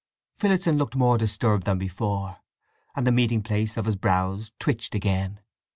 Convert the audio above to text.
Phillotson looked more disturbed than before, and the meeting place of his brows twitched again.